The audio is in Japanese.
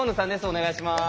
お願いします。